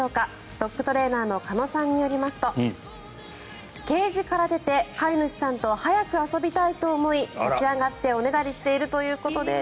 ドッグトレーナーの鹿野さんによりますとケージから出て飼い主さんと早く遊びたいと思い立ちあがっておねだりしているということです。